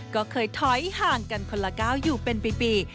ก็เคยถอยห่างกันคนละก้าวอยู่เป็นปี